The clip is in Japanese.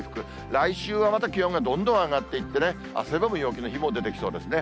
来週はまた気温がどんどん上がっていってね、汗ばむ陽気の日も出てきそうですね。